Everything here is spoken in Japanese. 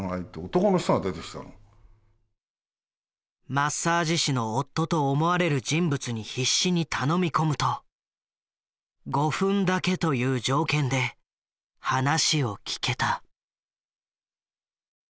マッサージ師の夫と思われる人物に必死に頼み込むと５分だけという条件で話を聞けた。